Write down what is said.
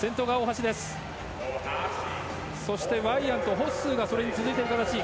そしてワイヤント、ホッスーがそれに続いている形。